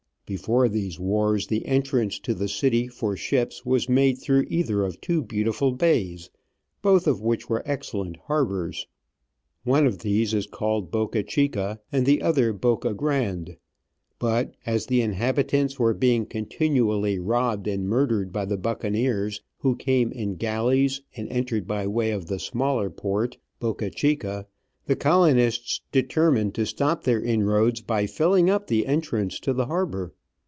Before these wars the entrance to the city for ships was made through either of two beautiful bays, both of which were excellent harbours. One of these is called Boca Digitized by VjOOQ IC OF AN Orchid Hunter, 207 Chica, and the other Boca Grande ; but as the inhabitants were being continually robbed and mur dered by the buccaneers, who came in galleys and entered by way of the smaller port, Boca Chica, the colonists determined to stop their inroads by filling up the entrance to the harbour.